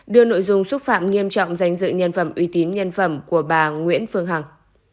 đưa nội dung xúc phạm nghiêm trọng danh dự nhân phẩm uy tín nhân phẩm của bà nguyễn phương hằng